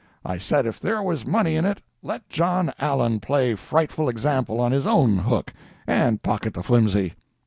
I said if there was money in it, let John Allen play frightful example on his own hook, and pocket the flimsy.